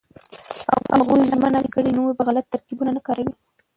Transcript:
هغوی ژمنه کړې چې نور به غلط ترکيبونه نه کاروي.